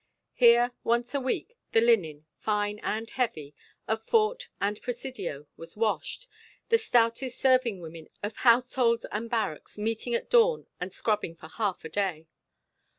Here, once a week, the linen, fine and heavy, of Fort and Presidio was washed, the stoutest serving women of households and barracks meeting at dawn and scrubbing for half a day.